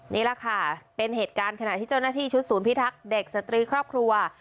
นี่แหละค่ะเป็นเหตุการณ์ขณะที่เจ้าหน้าที่ชุดศูนย์พิทักษ์เด็กสตรีครอบครัว